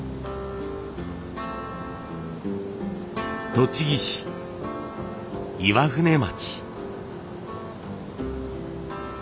栃木市岩舟町。